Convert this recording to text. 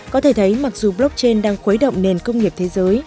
có thể thấy mặc dù blockchain đang khuấy động nền công nghiệp thế giới